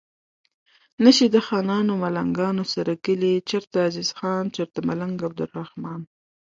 نه شي د خانانو ملنګانو سره کلي چرته عزیز خان چرته ملنګ عبدالرحمان